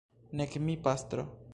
Nek mi, pastro.